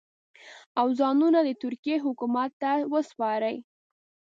او ځانونه د ترکیې حکومت ته وسپاري.